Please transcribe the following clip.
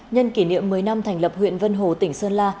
nhân kỷ niệm một mươi năm thành lập huyện vân hồ tỉnh sơn la